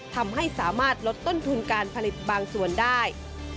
ทำให้สามารถลดต้นทุนการผลิตบางส่วนได้